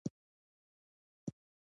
اقینه بندر په کوم ولایت کې دی؟